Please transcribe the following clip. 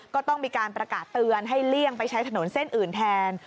ก็ต้องมีการประกาศเตือนให้เลี่ยงไปใช้ถนนเส้นอื่นแทน